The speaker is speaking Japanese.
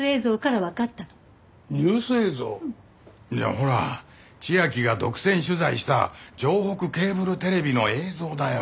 ほら千秋が独占取材した城北ケーブルテレビの映像だよ。